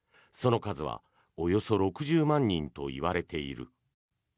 その数はおよそ６０万人といわれている。